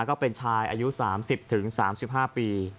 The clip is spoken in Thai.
ก็เป็นชายอายุ๓๐๓๕ปี